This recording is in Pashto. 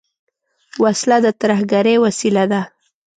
وسله د ترهګرۍ وسیله ده